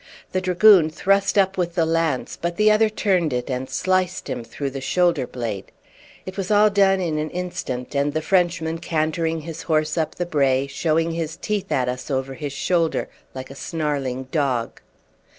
The dragoon thrust up with the lance, but the other turned it, and sliced him through the shoulder blade. It was all done in an instant, and the Frenchman cantering his horse up the brae, showing his teeth at us over his shoulder like a snarling dog.